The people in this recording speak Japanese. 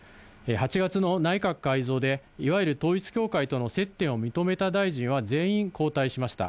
８月の内閣改造で、いわゆる統一教会との接点を認めた大臣は全員交代しました。